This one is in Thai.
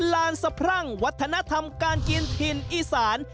ลานสะพรั่งวัฒนธรรมการกินถิ่นอีสาน